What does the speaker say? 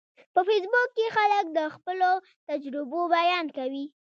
په فېسبوک کې خلک د خپلو تجربو بیان کوي